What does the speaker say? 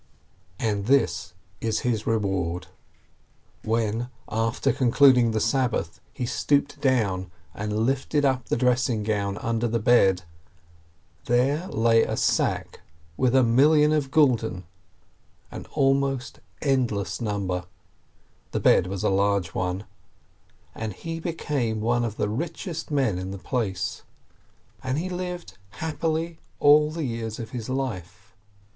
And this was his reward : When, after concluding the Sabbath, he stooped down and lifted up the dressing gown under the bed, there lay a sack with a million of gulden, an almost endless number — the bed was a large one — and he became one of the richest men in the place. And he lived happily all the years of his life.